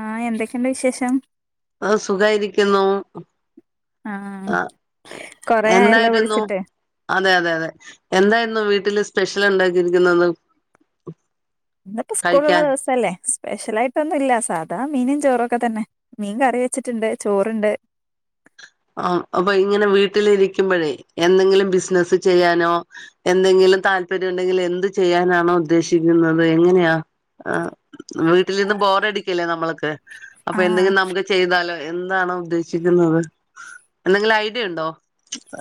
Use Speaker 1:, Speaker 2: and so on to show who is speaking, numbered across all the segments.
Speaker 1: ആഹ് എന്തൊക്കെയുണ്ട് വിശേഷം
Speaker 2: അ സുഖായിരിക്കുന്നു
Speaker 1: ആഹ്
Speaker 2: ആ
Speaker 1: കൊറേ ആയല്ലോ
Speaker 2: എന്തായിരുന്നു
Speaker 1: വിളിച്ചിട്ട്
Speaker 2: അതെ അതെ അതെ എന്തായിരുന്നു വീട്ടില് സ്പെഷ്യൽ ഉണ്ടാക്കിയിരിക്കുന്നത്
Speaker 1: ഇന്നിപ്പോ സ്കൂളള്ള
Speaker 2: കഴിക്കാൻ
Speaker 1: ദിവസല്ലേ സ്പെഷ്യല ആയിട്ടൊന്നും ഇല്ല സാധാ മീനും ചോറും ഒക്കെ തന്നെ മീൻ കറി വെച്ചിട്ടുണ്ട് ചോറണ്ട് [unintelligible]
Speaker 2: ആ അപ്പൊ ഇങ്ങനെ വീട്ടിലിരിക്കുമ്പോഴേ എന്തെങ്കിലും ബിസിനസ് ചെയ്യാനോ എന്തെങ്കിലും താല്പര്യം ഉണ്ടെങ്കിൽ എന്ത് ചെയ്യാനാണോ ഉദ്ദേശിക്കുന്നത് എങ്ങനെയാ ആ വീട്ടിൽിന്ന് ബോറടിക്കല്ലേ നമ്മൾക്ക് അപ്പൊ
Speaker 1: ആഹ്
Speaker 2: എന്തെങ്കിലും നമുക്ക് ചെയ്താലോ എന്താണോ ഉദ്ദേശിക്കുന്നത് എന്തെങ്കിലും ഐഡിയ ഉണ്ടോ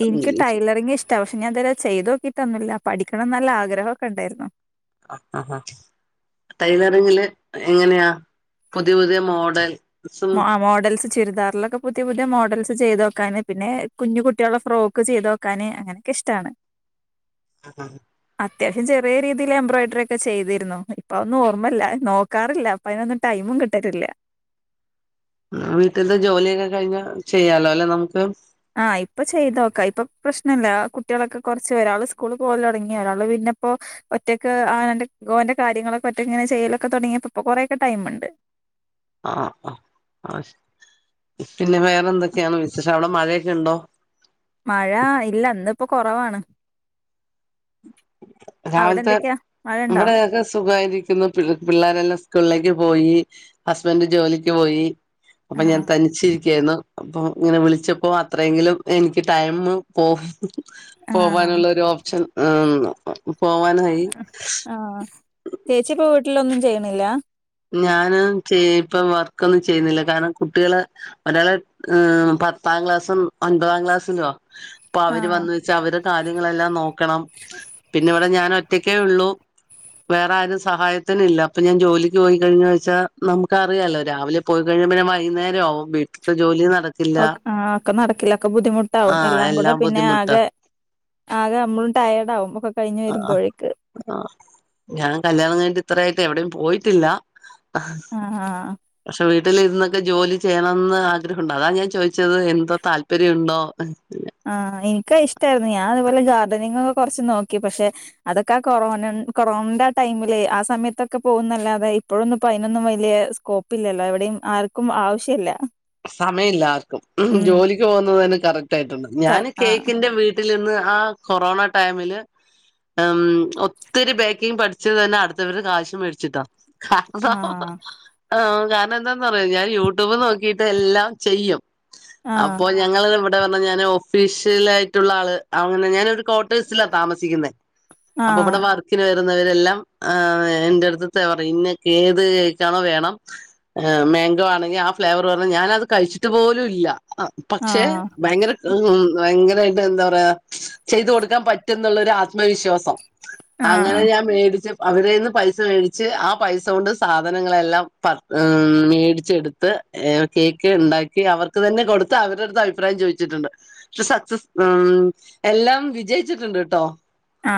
Speaker 1: എനിക്ക്
Speaker 2: ഇംഗ്ലീഷ്
Speaker 1: ടൈലറിംഗ ഇഷ്ടമാണ് പക്ഷെ ഞാൻന്തല്ല ചെയ്ത് നോക്കി പൊന്നുമില്ല പഠിക്കണം നല്ല ആഗ്രഹമൊക്കെ ഉണ്ടായിരുന്നു
Speaker 2: ആഹ ആഹ ആാ ടൈലറിങ്ങില് എങ്ങനെയാ പുതിയ പുതിയ മോഡൽ
Speaker 1: മ മോഡൽസ് ചുരിദാിലൊക്കെ പുതിയ പുതിയ മോഡൽസ് ചെയ്ത് വോക്കാൻ പിന്നെ കുഞ്ഞു കുട്ടികളുടെ ഫ്രോക്ക് ചെയ്ത് വോക്കാൻ അങ്ങനെൊക്ക ഇഷ്ടാണ്
Speaker 2: ആഹ ആഹ
Speaker 1: അത്യാവശ്യം ചെറിയ രീതിയിൽ എംബ്രോയ്ഡറി ഒക്കെ ചെയ്തിരുന്നു ഇപ്പൊന്നും ഓർമല്ല നോക്കറില്ല അപ്പ അതിനൊ ൈ ഒും കിട്ടട്ടില്ല
Speaker 2: വീട്ടിലത്തെ ജോലിയൊക്കെ കഴിഞ്ഞ ചെയ്യാലോ അല്ലെ നമുക്ക്
Speaker 1: ആഹ് ഇപ്പൊ ചെയ്ത നോക്ക ഇപ്പൊ പ്രശ്നല്ല കുട്ടികളൊക്കെ കുറച്ച് ഒരാൾ സ്കൂൾ പോല തുടങ്ങിയ ഒരാള് പിന്ന പിപ്പോൊ ഒറ്റക്ക് ആ ന്റെ കാര്യങ്ങളൊക്കെ ഒറ്റ ഇങ്ങനെ ചെയ്യലൊക്കെ തുടങ്ങിയപ്പോപ്പോ കൊറൊക്കെ ടൈമുണ്ട്
Speaker 2: ആഹ ആഹ അ ശ പിന്നെ വേറെ എന്തൊക്കെയാണ് വിശേഷം അവിടെ മഴയൊക്കെ ഉണ്ടോ
Speaker 1: മഴ ഇല്ല ഇന്ന ഇപ്പോൊ കുറവാണ് അവിടെ
Speaker 2: രാവിലത്തെ
Speaker 1: എന്തൊക്കെയാ മഴ ഉണ്ടോ
Speaker 2: നമ്മടെൊക്കെ സുഖമായി പിള്ളേരെല്ലാം സ്കൂളിലേക്ക് പോയി ഹസ്ബൻഡ് ജോലിക്ക് പോയി അപ്പൊ ഞാൻ
Speaker 1: ആഹ്
Speaker 2: തനിച്ചിരിക്കായിരുന്നു അപ്പൊ ഇങ്ങനെ വിളിച്ചപ്പോ അത്രെങ്കിലും എനിക്ക് ടൈം പോകും
Speaker 1: ആഹ്
Speaker 2: പോവാനുള്ള ഒരു ഓപ്ഷൻ പോവാനായി
Speaker 1: ചേച്ചിപ്പോ വീട്ടിലൊന്നും ചെയ്യണില്ല
Speaker 2: ഞാന് ഇപ്പം വർക്ക് ഒന്നും ചെയ്യുന്നില്ല കാരണം കുട്ടികള് ഒരാളെ പത്ത പത്താം ക്ലാസും ഒൻപതാം ക്ലാസിലോ അപ്പൊ അവര്
Speaker 1: ആഹ്
Speaker 2: വന്ന വെച്ചാ അവര് കാര്യങ്ങളെല്ലാം നോക്കണം പിന്നെ ഇവിടെ ഞാൻ ഒ ഒറ്റക്കേ ഉള്ളൂ വേറെ ആരും സഹായത്തിന ഇല്ല അപ്പൊ ഞാൻ ജോലി പോയി കഴിഞ്ഞ വെച്ചാൽ നമുക്ക അറിയാല്ലോ രാവിലെ പോയി കഴിഞ്ഞന്നെ വൈകുന്നേരംവും വീട്ടില ജോലി ന
Speaker 1: ആ ഒക്കെ നടക്കില്ലൊ ഒക്കെ ബുദ്ധിമുട്ടാവും
Speaker 2: ആഹ്
Speaker 1: എല്ലാം കൂടെ പിന്നെ
Speaker 2: ബുദ്ധിമുട്ടാ
Speaker 1: ആകെ ആകെ നമ്മളും ടയർഡ ആാവും ഒക്കെ കഴിഞ്ഞഞ്
Speaker 2: ആഹ്
Speaker 1: വരുമ്പോഴേക്ക്
Speaker 2: ഇത്രായിട്ട് എവിടെയും പോയിട്ടില്ല
Speaker 1: ആഹ് ആഹ്
Speaker 2: പക്ഷെ വീട്ട വീട്ടിൽ ഇരുന്നൊക്കെ ജോലി ചെയ്യണം എന്ന് ആഗ്രഹം ഉണ്ട് അതാ ഞാൻ ചോദിച്ചത് എന്തോ താല്പര്യം ഉണ്ടോ
Speaker 1: ആ എനിക്കാ ഇഷ്ടായിരുന്നു ഞാൻ അതുപോലെ ഗാർഡനിങ് ഒക്കെ കുറച്ചച്ച് നോക്കി പക്ഷെ അതൊക്കെ കൊറോന കൊറോണന്റെ ആ ടൈമില് ആ സമയത്തൊക്കെ പോകുന്നല്ലാതെ ഇപ്പോഴൊന്ന ഇ അതിനൊന്നും വലിയ സ്കോപ്പില്ലല്ലോ അവിടെയും ആർക്കും ആവശ്യമില്ല
Speaker 2: സമയം ഇല്ലാർക്കും ജോലിക്ക് പോകുന്നത് തന്നെ കറക്റ്റ് ആയിട്ടുണ്ട്
Speaker 1: കർ
Speaker 2: ഞൻ
Speaker 1: ആഹ്
Speaker 2: കേക്കിന്റെ വീട്ട വീട്ടിൽ നിന്ന് ആ കൊറോണ ടൈമില് ഉം ഒത്തിരി ബേക്കിങ്ങ് പഠിച്ചത് തന്നെ അടുത്തവര് കാശം മേടിച്ചിട്ടാ കാരണം
Speaker 1: ആഹ്
Speaker 2: ആ കാരണം എന്താന്ന പറയാ ഞാൻ യൂട്യൂബ് നോക്കി എല്ലാം ചെയ്യും അപ്പോ
Speaker 1: ആഹ്
Speaker 2: ഞങ്ങള് ഇ എന്താ പറഞ്ഞ ഞാൻ ഓഫീഷ്യൽ ആയിട്ടുള്ള ആള് അങ്ങനെ ഞാനൊ ഒരു ക്ട്ടേഴ്സിലാ താമസിക്കുന്ന അപ്പൊ
Speaker 1: ആഹ്
Speaker 2: ഇവിടെ വർക്ക വരുന്നവരെല്ലാംആ എന്റെ അടുത്ത് തെ പറയും ഇങ്ങക്ക് ഏത് കേക്കണോ വേണംഏ മാങ്കോ മാണെങ്കിൽ ആ ഫ്ലേവർ പറ ഞാനത് കഴിച്ചിട്ട് പോലും ഇല്ല പക്ഷെ
Speaker 1: ആഹ്
Speaker 2: ഭയങ്കര ഭയങ്കര എന്താ പറയാ ചെയ്ത് കൊടുക്കാൻ പറ്റും എന്നുള്ള ആശ ആത്മവിശ്വാസം അങ്ങനെ
Speaker 1: ആഹ്
Speaker 2: ഞാൻ മേടിച്ച അവരെൽ നിന്ന് പൈസ മേടിച്ച് ആ പൈസ കൊണ്ട് സാധനങ്ങളെല്ലാം മേടിച്ചെടുത്ത് കേക്ക് ഉണ്ടാക്കി അവർക്ക് തന്നെ കൊടുത്ത് അവരുടെ അടുത്ത് അഭിപ്രായം ചോദിച്ചിട്ടുണ്ട് പക്ഷെ സക്സസ് ഉം ഉം എല്ലാം വിജയിച്ചിട്ടുണ്ട് കേട്ടോ
Speaker 1: ആ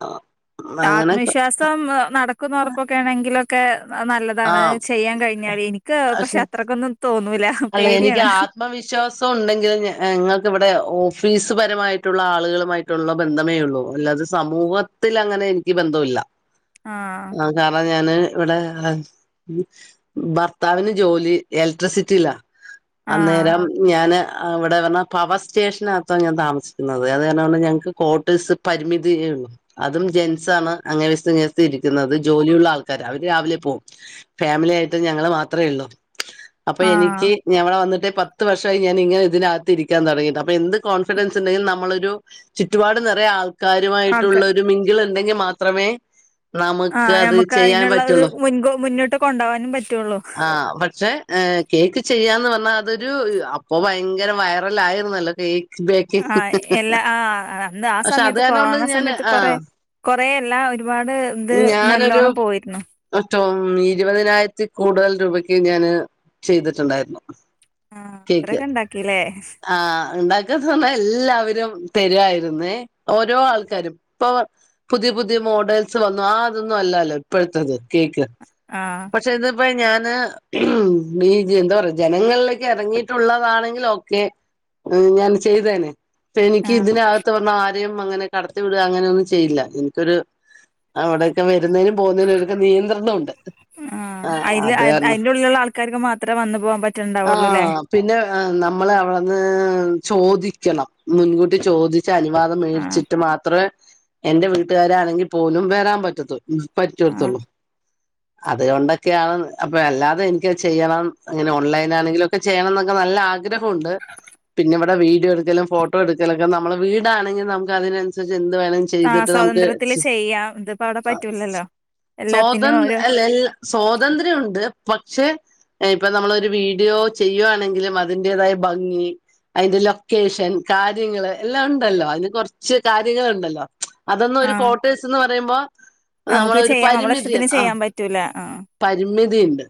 Speaker 2: ആ
Speaker 1: ആത്മവിശ്വാസം നടക്കുന്ന ഉറപ്പൊക്കൊണെങ്കിലൊക്കെ നല്ലതാണ്
Speaker 2: ആഹ്
Speaker 1: ചെയ്യാൻ കഴിഞ്ഞാല് എനിക്ക് പക്ഷെ അത്രയ്ക്കൊന്ന തോന്നുന്നു
Speaker 2: അല്ല എനിക്ക് ആത്മവിശ്വാസം ഉണ്ടെങ്കിലും ഞങ്ങൾ ക്ക് ഇവിടെ ഒ ഫീസ് പരമായിട്ടുള്ള ആളുകളുമായിട്ടുള്ള ബന്ധമേ ഉള്ളൂ അല്ലാതെ സമൂഹത്തിൽ അങ്ങനെ എനിക്ക് ബന്ധമില്ല
Speaker 1: ആഹ്
Speaker 2: ആ കാരണം ഞാന് ഇവിടെ ഭർത്താവിന് ജോലി ഇലക്ട്രിസിറ്റിയിലാ
Speaker 1: ആഹ്
Speaker 2: അന്നേരം ഞാന് ഇവിടെ പറാ പവർ സ്റ്റേഷനകത്തോ ഞാൻ താമസിക്കുന്നത് അത് കാര പറഞ്ഞാൽ ഞങ്ങൾക്ക് കോർട്ടേഴ്സ് പരിമിതി അതും ജെൻസ ആണ് അങ്ങേ വശത്തും ഇങ്ങേ വശത്തും ഇരിക്കുന്നത് ജോലിയുള്ള ആൾക്കാര് അവര് രാവിലെ പോകും ഫാമിലി ആയിട്ട് ഞങ്ങള് മാത്രമേ ഉള്ളു അപ്പൊ
Speaker 1: ആഹ്
Speaker 2: എനിക്ക് ഞവിടെ വന്നിട്ട് പത്ത് വർഷമായി ഞാൻ ഇങ്ങനെ ഇതിനകത്തി ഇരിക്കാൻ തുടങ്ങിയിട്ട് അപ്പൊ എന്ത് കോൺഫിഡൻസ് ഉണ്ടെിലും നമ്മളൊരു ചുറ്റുപാട് നിറയെ
Speaker 1: ആൾക്ക്
Speaker 2: ആൾക്കാരുമായിട്ടുള്ള ഒരു മിങ്കിള ഉണ്ടെങ്കിൽ മാത്രമേ നമുക്ക്
Speaker 1: ആഹ്
Speaker 2: അത്
Speaker 1: നമുക്ക്
Speaker 2: ചെയ്യാൻ
Speaker 1: അതിനുള്ള ഇത്
Speaker 2: പറ്റുള്ളു
Speaker 1: മുൻകൂ മുന്നോട്ട് കൊണ്ടുപോകാനും പറ്റുള്ളൂ
Speaker 2: ആ പക്ഷെ ഏ കേക്ക് ചെയ്യാന്ന് പറഞ്ഞാൽ അതൊരു അപ്പൊ ഭയങ്കര വൈറൽ ആയിരുന്നല്ലോ കേക്ക് ബേക്കിങ്
Speaker 1: ആ എല്ലാ ആ എന്ത ആ
Speaker 2: പക്ഷെ അത്
Speaker 1: സമയത്ത്
Speaker 2: കാരണം കൊണ്ട്
Speaker 1: കൊറോണ
Speaker 2: ഞാന്
Speaker 1: സമയത്ത്
Speaker 2: ആഹ്
Speaker 1: കൊറെ കൊ കൊറേയല്ല ഒരുപാട് ഇത് നല്ലോണം പോയിരുന്നു
Speaker 2: പോ ഇരുപതിനായിരത്തി കൂടുതൽ രൂപക്ക് ഞാന് ചെയ്തിട്ടുണ്ടായിരുന്നു
Speaker 1: ആഹ്
Speaker 2: കേക്ക്
Speaker 1: അത്രയൊക്കെ ഉണ്ടാക്കില്ലേ
Speaker 2: ആ ഉണ്ടാക്കാഞ്ഞാ എല്ലാവരും തരുയായിരുന്നു ഓരോ ആൾക്കാരും ഇപ്പോ പുതിയ പുതിയ മോഡൽ ച്ച് വന്നു ആ അതൊന്നും അല്ലാല്ലോ ഇപ്പോഴത്തത് കേക്ക്
Speaker 1: ആഹ്
Speaker 2: ഇപ്പൊ ഞാന് [unintelligible] ഈ എന്താ പറയാ ജനങ്ങളിലേക്ക് ഇറങ്ങിയിട്ടുള്ളതാണെങ്കി ഒക്കെ മ് ഞാൻ ചെയ്തേനെ പ്പെനിക്ക്
Speaker 1: ആഹ്
Speaker 2: ഇതിനകത്ത് വന്ന ആരെയും അങ്ങനെ കടത്തി വിടുവ അങ്ങനെ ഒന്നും ചെയ്യില്ല എനിക്കൊരു അവിടെയൊക്കെ വരുന്നേനും പോന്നീ നുംക്കെ നിയന്ത്രണം ഉണ്ട്
Speaker 1: ആ അതില് അയി ന്റെ ഉള്ളിലുള്ള ആൾക്കാർക്ക് മാത്രമേ വന്നു പോവാൻ പറ്റണ്ടാവുള്ളുല്ലേ
Speaker 2: നമ്മള അവിടുന്ന് ചോദിക്കണം മുൻകൂട്ടി ചോദി ച്ച് അനുവാദം
Speaker 1: ആഹ്
Speaker 2: മേടിച്ചിട്ട് മാത്രേ എന്റെ വീട്ടുകാരാണെങ്കിൽ പോലും വരാൻ പറ്റത്തൂ
Speaker 1: ആഹ്
Speaker 2: പറ്റിയെടുത്തൊള്ളൂ അതുകൊണ്ടൊക്കെയാണ് അപ്പൊ അല്ലാതെ എനിക്ക് ചെയ്യണം ഇങ്ങനെ ഓൺലൈൻ ആണെങ്കിലുംക്കെ ചെയ്യണം എന്നൊക്കെ നല്ല- ആഗ്രഹുണ്ട് പിന്നെ വിടെ വീഡിയോ എടുക്കലും ഫോട്ടോ എടുക്കലൊക്കെ നമ്മളെ വീടാ ണെങ്കിൽ നമുക്ക് അതിനനുസരിച്ച് എന്തും ത് വേണം
Speaker 1: ആഹ്
Speaker 2: ചെയ്തിട്ട് നമുക്ക്
Speaker 1: സ്വാതന്ത്ര്യത്തില് ചെയ്യാം ഇതിപ്പോ അവിടെ പറ്റൂലല്ലോ എല്ലാത്തിനും
Speaker 2: സ്വാതം
Speaker 1: ഓരോ
Speaker 2: അല്ല അൽ സ്വാതന്ത്ര്യം ണ്ട് പക്ഷെ ഇപ്പൊ നമ്മളൊരു വീഡിയോ ചെയ്യുവാണെങ്കിലും അതിന്റേതായ ഭംഗി അയിന്റെ ലൊക്കേഷൻ കാര്യങ്ങള് എല്ലാം ണ്ടല്ലോ അയിന് കൊറച്ച് കാര്യങ്ങളുണ്ടല്ലോ അതൊന്നും ഒരു
Speaker 1: ആഹ്
Speaker 2: കോട്ടേഴ്സ്ന്ന് പറയുമ്പോ
Speaker 1: നമുക്ക്
Speaker 2: നമ്മളെ ഒരു
Speaker 1: ചെയ്യാം നമ്മളെ
Speaker 2: പരിമിതിയ
Speaker 1: ഇഷ്ടത്തിന്
Speaker 2: ആ
Speaker 1: ചെയ്യാൻ പറ്റൂല ആഹ്
Speaker 2: പരിമിതിണ്ട്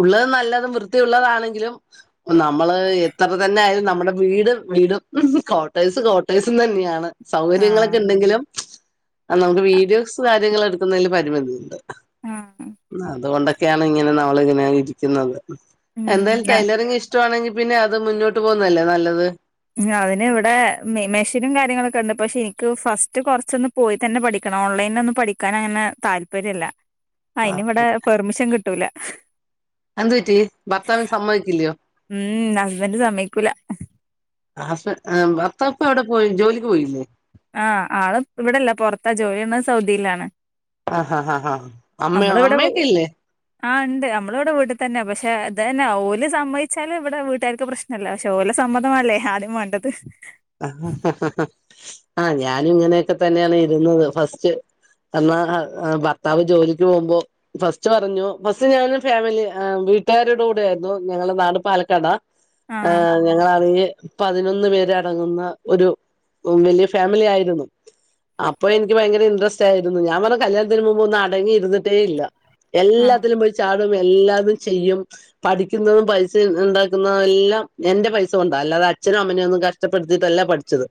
Speaker 2: ഉള്ളത് നല്ല വൃത്തിയുള്ളതാണെങ്കിലും നമ്മള് എത്ര തന്നെ ആയാലും നമ്മുടെ വീട് വീടും [unintelligible] കോട്ടേഴ്സ് കോട്ടേഴ്സുന്നെയാണ്
Speaker 1: ആഹ്
Speaker 2: സൗകര്യങ്ങളൊക്കെ ണ്ടെങ്കിലും ആ നമുക്ക് വീഡിയോസ് കാര്യങ്ങള് എടുക്കുന്നതിൽ പരിമിതി ഉണ്ട്
Speaker 1: ആഹ്
Speaker 2: അതുകൊണ്ടെ ക്യാണ് ങ്ങനെ നമ്മളിങ്ങനെ ഇരിക്കുന്നത്
Speaker 1: ഉം
Speaker 2: എന്തായാലും
Speaker 1: ആ
Speaker 2: ടൈലറിങ് ഇഷ് - ഷ്ടാണെങ്കിൽ പിന്നെ അത് മുന്നോട്ട് പോകുന്നല്ലേ നല്ലത്
Speaker 1: അതിന് ഇവിടെ മെഷിനും കാര്യങ്ങളൊക്കെ ണ്ട് പക്ഷെ നിക്ക് ഫസ്റ്റ് കൊറച്ചൊന്ന് പോയി തന്നെ പഠിക്കണം ഓൺലൈനിൽ ഒന്നും പഠിക്കാൻ അങ്ങനെ താല്പര്യല്ല അതിനിവിടെ പെർമിഷൻ കിട്ടൂല
Speaker 2: എന്ത് പറ്റി ഭർത്താവിന് സമ്മയി ക്കില്ലയോ
Speaker 1: ഉം ഹസ്ബന്ഡ് സമ്മയി ക്കൂല
Speaker 2: ആഹസ്ബ ഭർത്താവ് പ്പെ വിടെ പോയി ജോലിക്ക് പോയില്ലേ
Speaker 1: ആഹ് ആള് ഇപ്പ ഇവിടി ല്ല പൊ റത്താ ജോലി യ്യ ണത് സൗദിയിലാണ്
Speaker 2: ആഹാ ഹാ ഹാ അമ്മയോ അമ്മേക്കല്ലെ
Speaker 1: ആ ണ്ട് നമ്മളവിടെ വീട്ടി തന്നെ പക്ഷെ തെന്നെ ഓല് സമ്മയിച്ചാലും വിടെ വീട്ടുകാർക്ക് പ്രശ്നമല്ല പക്ഷെ ഓലെസമ്മ - സമ്മതമാല്ലേ ആദ്യം വേണ്ടത്
Speaker 2: ആഹ ഹ ഹ ഞാനും ഇങ്ങനെയൊക്കെ തന്നെയാണ് ഇരുന്നത് ഫസ്റ്റ് തന്ന ഭർത്താവ് ജോലിക്ക് പോകുമ്പോ ഫസ്റ്റ് പറഞ്ഞു ഫസ്റ്റ് ഞാനും ഫാമിലിആ വീട്ടാരുടെ കൂടെയായിരുന്നു ഞങ്ങളെ നാട് പാലക്കാടാ ആ
Speaker 1: ആഹ്
Speaker 2: ഞങ്ങലാണെന്കി പതിനൊന്ന് പേര ടങ്ങുന്ന ഒരു വലിയ ഫാമിലി ആയിരുന്നു അപ്പൊ ഇനിക്ക് ഭയങ്കര ഇൻട്രസ്റ്റ് ആയിരുന്നു ഞാൻ പറഞ്ഞ കല്യാണത്തിന് മുമ്പ് ഒന്ന് അടങ്ങിയിരുന്നിട്ടേ ല്ല
Speaker 1: ആഹ്
Speaker 2: എല്ലാത്തിലും പോയി ചാ- [unintelligible] എല്ലാതും ചെയ്യും പഠിക്കുന്നതും പൈസ ഉണ്ടാക്കുന്നതും എല്ലാം എന്റെ പൈസ കൊണ്ട അല്ല ത് അച്ഛനും അമ്മനെന്നും കഷ്ടപ്പെടുത്തിയിട്ടല്ല പഠിച്ചത്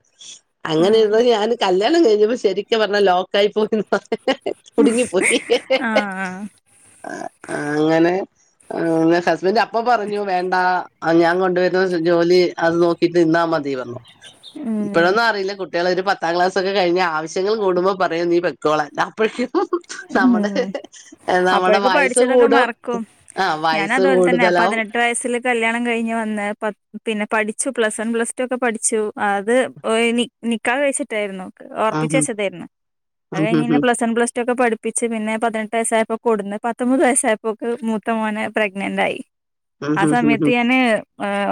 Speaker 2: അങ്ങനെ
Speaker 1: ആഹ്
Speaker 2: ഇത് ഞാൻ കല്യാണം കഴിഞ്ഞപൊ ക്കെ പറഞ്ഞല്ലോ ലോക്കായി പോയിഹ് ഹ്‌ ഹ് കുടുങ്ങി പോയിഹിഹി ഹിഹി
Speaker 1: ആഹ് ആഹ്
Speaker 2: അങ്ങനെ ഹസ്ബൻഡ് അപ്പൊ പറഞ്ഞു വേണ്ട ഞാൻകൊണ്ട - [unintelligible] ജോലി അത് നോക്കിട്ട് നി ന്നാ മതി പറനു
Speaker 1: ഉം
Speaker 2: ഇപ്പോഴൊന്നും അറിയില്ല കുട്ടികള ഒരു പത്താം ക്ലാസൊക്കെ കഴിഞ്ഞ ആവശ്യങ്ങള് കൂടുമ്പോ പറയും നീ പെക്കോളാൻ അപ്പോഴതീനും ഹ് ഹ്
Speaker 1: ഉം
Speaker 2: നമ്മുടെ ഹ് ഹ് നമ്മുടെ
Speaker 1: അപ്പോഴേക്ക്
Speaker 2: വയസ്സ്
Speaker 1: പഠിച്ചതൊക്കെ
Speaker 2: കൂടും
Speaker 1: മറക്കും
Speaker 2: ആഹ് വയസ്സ് കൂടുതലാവും
Speaker 1: വയസിൽ കല്യാണം കഴിഞ് വന്ന പിന്നെ പടി ച്ചു പ്ലസ് വൺ പ്ലസ് ടു ഒക്കെ പഠിച്ചു അത് ഒ നിക്കാഹ് കഴിച്ചിട്ടായിരുന്നു ഒറപ്പിച്ചു
Speaker 2: ഉം
Speaker 1: വെച്ചതേയിരുന്നു അത്
Speaker 2: ഉം
Speaker 1: കഴിഞ് നിന്നേ
Speaker 2: ഉം
Speaker 1: പ്ലസ്ടു ഒക്കെ പഠിപ്പിച്ച് പിന്നെ പതിനെട്ട് വയസ്സായപ്പോ കൊടുന്ന് പത്തൊമ്പത് വയസ്സായപ്പോക്ക് മൂത്ത മോനെ പ്രെഗ്നന്റ് ആയി ആ സമയത്ത് ഞാന്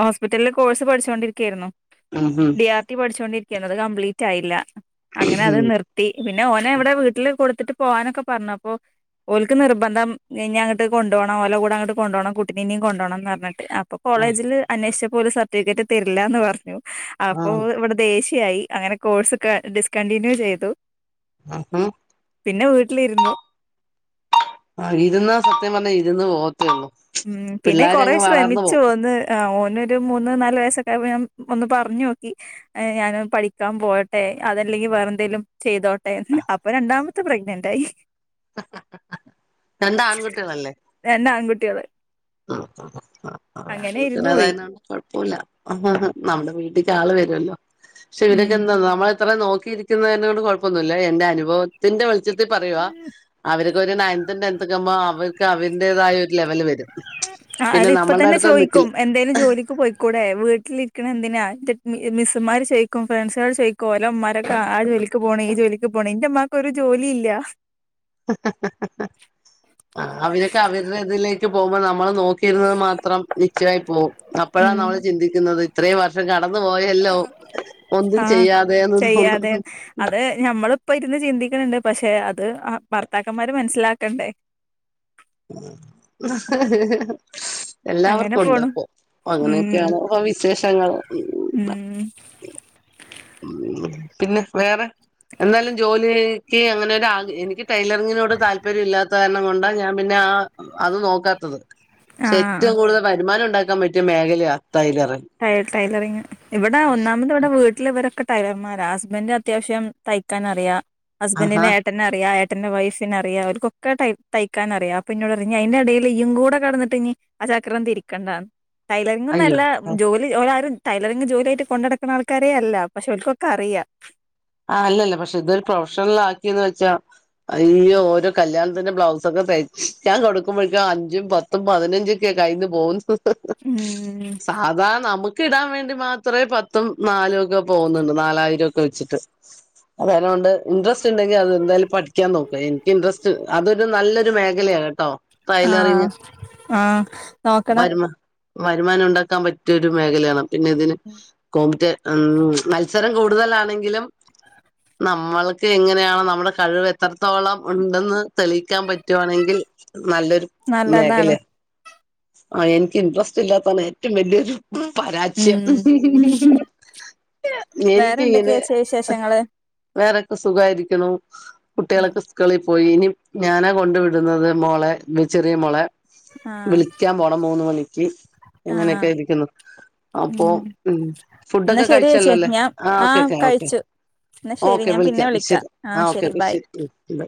Speaker 1: ഹോസ്പിറ്റലില് കോഴ്സ് പഠിച്ചോണ്ടിരിക്കയായിരുന്നു
Speaker 2: ഉം ഉം
Speaker 1: ഡി ആർ ടി പഠിച്ചോണ്ടിരിക്കയായിരുന്നുഅത് കംപ്ലീറ്റ് ആയില്ല അങ്ങനെ അത് നിർത്തി പിന്നെ ഓനെ എവിടെ വീട്ടില് കൊടുത്തിട്ട് പോകാനൊക്കെ പറഞ്ഞു അപ്പൊ ഓക്ക് നിർബന്ധം ഇനി അങ്ങട്ട് കൊണ്ട് പോണം ഓല കൂടെ അങ്ങട്ട് കൊ പോണം കുട്ടിനെഇനിയും കൊണ്ട്പോണം എന്ന് പറഞ്ഞിട്ട് ഇപ്പൊ കോളേജില് അന്വേഷിച്ച പോലെ സർട്ടിഫിക്കറ്റ് തരില്ല എന്ന് പറഞ്ഞു
Speaker 2: ആ
Speaker 1: അപ്പോ ഇവിടെ ദേഷ്യ അങ്ങനെ കോഴ്സ് ഡിസ്കണ്ടിന്യൂ ചെയ്തു
Speaker 2: ഉം
Speaker 1: പിന്നെ വീട്ടിലിരുന്നു
Speaker 2: ആ ഇരുന്ന് സത്യം പറഞ്ഞാ ഇരുന്ന് പോ
Speaker 1: ഉം പിന്നെ കൊറെ
Speaker 2: പോവും
Speaker 1: ശ്രമിച്ചുന്ന് ആ ഓന് മൂന്ന് നാല് വയസൊക്കെ ഞാൻ ഒന്ന് പറഞ്ഞു നോക്കി ഞാൻ പഠിക്കാൻ പോകട്ടെ അതല്ലെങ്കി വേറെ എന്തേലും ചെയ്തോട്ടെ അപ്പൊ രണ്ടാമത്തെ പ്രഗ്നന്റ് ആയി
Speaker 2: രണ്ട് ആൺകുട്ടികളല്ലേ
Speaker 1: രണ്ട് ആൺകുട്ടികള് അങ്ങനെ ഇരുന്നു പോയി
Speaker 2: തപ്പില്ല നമ്മുടെ വീട്ടിൽ ആള് വരുമല്ലോ പക്ഷെ ഇവരൊക്കെ
Speaker 1: ഉം
Speaker 2: എന്താ നമ്മള ഇത്രയും നോക്കി നോക്കിയിരിക്കുന്നതിൽ കുഴപ്പമൊന്നും എന്റെ അനുഭവത്തിന്റെ വെളിച്ചത്തിൽ പറയുവാ അവർക്ക് ഒരു നയൻത്ത് ടെൻത്ത് ക്കുമ്പോ അവർക്ക് അവരുന്റേതായ ഒരു ലെവല് വരും
Speaker 1: ആ അത്
Speaker 2: പിന്നെ
Speaker 1: ഇപ്പ
Speaker 2: നമ്മളുടെ
Speaker 1: തന്നെ
Speaker 2: അടുത്ത് നിക്കില്ല
Speaker 1: ചോദിക്കും എന്തായാലും ജോലിക്ക് പോയിക്കൂടെ വീട്ടിലിരിക്കണ എന്തിനാ അമാര് ചോദിയ് ഫ്രണ്ട്സു ചോദിക്കും ഓല അക്കെ ആ ജോലിക്ക് പോണം ജോലി പോണം ഇന്റെ ഉമ്മാക്കൊ ഒരു ജോലി ഇല്ല
Speaker 2: ആ അവരൊക്കെ അവരുടെ ഇതിലേക്ക് പോകുമ്പോ നമ്മ ന നോക്കിരുന്നത് മാത്രം നിശ്യ [unintelligible] മായി പോകും അപ്പോഴാ
Speaker 1: ഉം
Speaker 2: നമ്മൾ ചിന്തിക്കുന്നത് ഇത്രയും വർഷം ല്ലോ ഒന്നും
Speaker 1: ആഹ്
Speaker 2: ചെയ്യാതെ
Speaker 1: ചെയ്യാതെ അത് ഞമ്മളിപ്പോ ഇരുന്ന് ചിന്തിക്ക് ണ് ണ്ട് പക്ഷെ അത് ആ ഭർത്താക്കന്മാര് മനസ്സിലാക്കണ്ടേ അങ്ങനെ
Speaker 2: എല്ലാവർക്കും ഉണ്ട്
Speaker 1: പോണു
Speaker 2: അപ്പൊ
Speaker 1: ഉം
Speaker 2: അങ്ങനെയൊക്കെയാണ് വിശേഷങ്ങള്
Speaker 1: ഉ [inaudible]
Speaker 2: ഉം പിന്നെ വേറെ എന്തായാലും ജോലിക്ക് അങ്ങനെ എനിക്ക് ടെലറിങ്ങിനോട് താല്പര്യം ഇല്ലാത്ത കാരണം കൊണ്ടാ ഞാൻ പിന്നെ അത് നോക്കാത്തത് പക്ഷേ
Speaker 1: ആഹ്
Speaker 2: ഏറ്റവും കൂടുതൽ വരുമാനം ഉണ്ടാക്കാൻ പറ്റിയ മേഖലയാ ടൈലറിങ്
Speaker 1: ടൈലറിങ് ഇവിടെ ഒന്നാമത് ഇവിടെ വീട്ടിൽ ഇവരൊക്കെ ടൈലർ മ്മാരാ ഹസ്ബന്റിന് അത്യാവശ്യം തയ്ക്കാൻ അറിയാം
Speaker 2: ആഹാ
Speaker 1: ഹസ്ബന്റിന്റെ ഏട്ടന് അറിയാം ഏ ട്ടന്റെ വൈഫിന അറിയാം അവർക്കൊക്കെ തയ്ക്കാൻ അറിയാം അപ്പ പിന്നോട് അറിഞ്ഞ അതിന്റെടയില് ഇയ്യും കൂടെ കടന്നിട്ട് ഇഞ്ഞ് ചക്രം തിരിക്കേണ്ടാന്ന്
Speaker 2: അയ്യോ
Speaker 1: ടൈലറിങ്ങന്നെല്ല ജോലി ഒലാരും ടൈലറിങ്ങ് ജോലിയ ആയിട്ട് കൊണ്ട നടക്കുന്ന ആൾക്കാരെ അല്ല പക്ഷെ ഓല്ക്കൊക്കെ അറിയാം
Speaker 2: ആ അല്ല പക്ഷെ ഇതൊരു പ്രൊഫഷണൽ ആക്കിന്ന് വെച്ചാ ഈ ഓരോ കല്യാണത്തിന്റെ ബ്ലൗസ് ഒക്കെ ഞാൻ കൊടുക്കുമ്പോഴക്ക അഞ്ചും പത്തും പതിനഞ്ചുമൊക്കെയാ കൈയ്യിന്ന് പോകുന്നത്
Speaker 1: ഉം
Speaker 2: ഇക്ക് ഇടാൻ വേണ്ടി മാത്രമേ പത്തും നാലും ഒക്കെ പോകുന്നുണ്ട് നാലായിരം ഒക്കെ വെച്ചിട്ട്
Speaker 1: [inaudible]
Speaker 2: അതൊണ്ട് ഇൻട്രസ്റ്റ് ഉണ്ടെങ്കിൽ അത് എന്തായാലും പഠിക്കാൻ നോക്ക് എനിക്ക് ഇൻട്രസ്റ്റ് അതൊരു നല്ലൊരു മേഖലയാണ് കേട്ടോ
Speaker 1: ആ
Speaker 2: ടൈലറിങ്
Speaker 1: ആ നോക്കണം
Speaker 2: വരുമ വരുമാനം ഉണ്ടാക്കാൻ പറ്റിയ ഒരു മേഖലയാണ് പിന്നെ ഇതിന് കോമ്റ്റ് ഉം മത്സരം കൂടുതലാണെങ്കിലും നമ്മൾക്ക് എങ്ങനെയാണ് നമ്മുടെ കഴിവ് എത്രത്തോളം ഉണ്ടെന്ന് തെളിയിക്കാൻ പറ്റുവാണെങ്കിൽ നല്ലൊരു മേഖല
Speaker 1: നല്ലതാണ്
Speaker 2: ആ എനിക്ക് ഇൻട്രെസ്റ്റ് ഇല്ലാത്താണ് ഏറ്റവും വലിയ ഒരു പരാജയം
Speaker 1: ഉം
Speaker 2: എനിക്കിങ്ങനെ
Speaker 1: ഞങ്ങള്
Speaker 2: വേറൊക്കെ സുഖമായിരിക്ക്ണുകുട്ടികളൊക്കെ സ്കൂളിൽ പോയി ഇനി ഞാനാ കൊണ്ട് വിടുന്നത് മോളെ ചെറിയ മോളെ
Speaker 1: ആഹ്
Speaker 2: വിളിക്കാൻ പോണം മൂന്ന് മണിക്ക്
Speaker 1: ആഹ്
Speaker 2: എങ്ങനെയൊക്കെ ഇരിക്കുന്നു അപ്പൊ ഉം
Speaker 1: എന്നാ
Speaker 2: ഫുഡൊക്കെ
Speaker 1: ശരി ചേച്ചി
Speaker 2: കഴിച്ചല്ലോല്ലേ
Speaker 1: ഞാൻ
Speaker 2: ആ ഓക്കെ
Speaker 1: ആഹ്
Speaker 2: ക്കെ
Speaker 1: കഴിച്ചു എന്ന ശരി ഞാൻ പിന്നെ വിളിക്കാം
Speaker 2: ശരി
Speaker 1: ആ
Speaker 2: ഓക്കെ
Speaker 1: ശരി
Speaker 2: ഓക്കെ
Speaker 1: ബൈ
Speaker 2: ഉം ബൈ